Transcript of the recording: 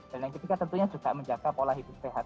dan yang ketiga tentunya juga menjaga pola hidup sehat